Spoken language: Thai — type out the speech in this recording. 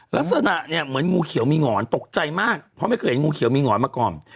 ลักษณะเนี่ยเหมือนงูเขียวมีหงอนตกใจมากเพราะไม่เคยเห็นงูเขียวมีหงอนมาก่อน